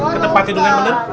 ke tempat tidurnya yang bener